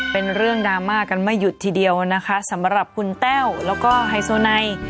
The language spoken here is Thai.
เป็นเรื่องดราม่ากันไม่หยุดทีเดียวนะคะสำหรับคุณแต้วแล้วก็ไฮโซไน